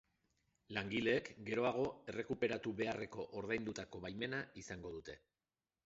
Langileek geroago errekuperatu beharreko ordaindutako baimena izango dute.